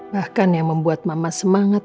bahkan yang membuat mama semangat